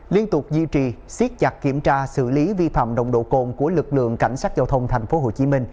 liên tục duy trì siết chặt kiểm tra xử lý vi phạm nồng độ cồn của lực lượng cảnh sát giao thông tp hcm